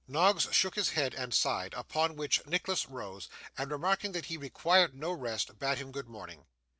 Noggs shook his head and sighed; upon which Nicholas rose, and remarking that he required no rest, bade him good morning.